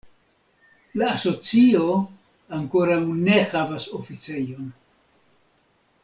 La asocio ankoraŭ ne havas oficejon.